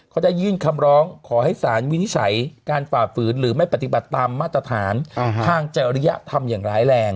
เขาได้ยื่นคำร้องขอให้สารวินิจฉัยการฝ่าฝืนหรือไม่ปฏิบัติตามมาตรฐานทางจริยธรรมอย่างร้ายแรง